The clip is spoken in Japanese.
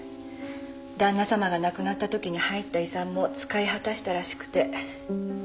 旦那さまが亡くなったときに入った遺産も使い果たしたらしくて。